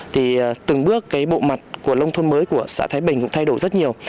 thì từng bước cái bộ mặt của nông thôn mới của xã thái bình cũng thay đổi rất nhiều